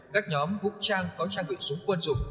các nhóm vũ trang có trang bị súng quân dụng